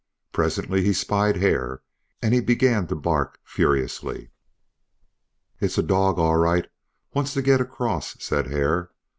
Presently he spied Hare, and he began to bark furiously. "It's a dog all right; wants to get across," said Hare.